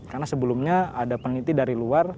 karena sebelumnya ada peneliti dari luar